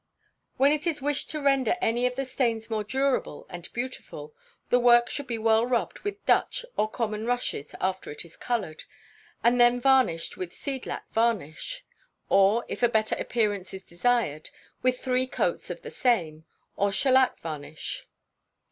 When it is wished to render any of the stains more durable and beautiful, the work should be well rubbed with Dutch or common rushes after it is coloured, and then varnished with seed lac varnish, or if a better appearance is desired, with three coats of the same, or shell lac varnish.